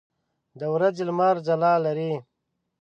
د ورځې لمر ځلا لري.